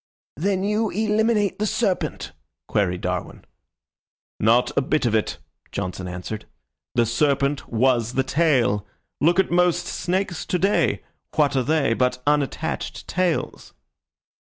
"Then you eliminate the serpent?" queried Darwin. "Not a bit of it," Johnson answered. "The serpent was the tail. Look at most snakes to day. What are they but unattached tails?"